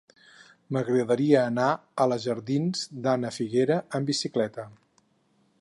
M'agradaria anar a la jardins d'Ana Figuera amb bicicleta.